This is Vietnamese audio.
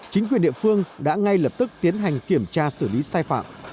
chính quyền địa phương đã ngay lập tức tiến hành kiểm tra xử lý sai phạm